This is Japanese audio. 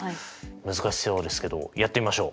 難しそうですけどやってみましょう。